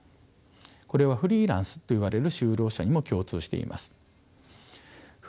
これはフリーランスといわれる就労者にも共通しています。